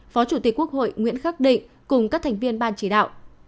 phó chủ tịch quốc hội nguyễn khắc định cùng các thành viên ban chỉ đạo